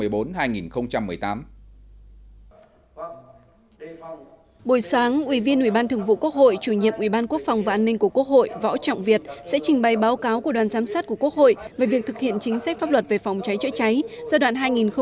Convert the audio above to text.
buổi sáng ủy viên ủy ban thường vụ quốc hội chủ nhiệm ủy ban quốc phòng và an ninh của quốc hội võ trọng việt sẽ trình bày báo cáo của đoàn giám sát của quốc hội về việc thực hiện chính sách pháp luật về phòng cháy chữa cháy giai đoạn hai nghìn một mươi bốn hai nghìn một mươi tám